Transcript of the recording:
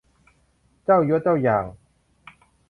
เจ้ายศเจ้าอย่าง